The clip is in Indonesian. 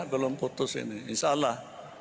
belum putus ini insya allah